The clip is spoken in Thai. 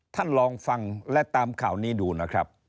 ลองฟังและตามข่าวนี้ดูนะครับ